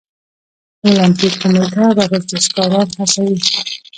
د المپیک کمیټه ورزشکاران هڅوي؟